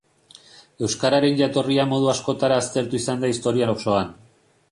Euskararen jatorria modu askotara aztertu izan da historia osoan.